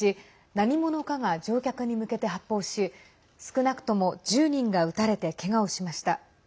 何者かが乗客に向けて発砲し少なくとも１０人が撃たれてけがをしました。